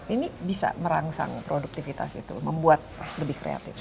ini bisa merangsang produktivitas itu membuat lebih kreatif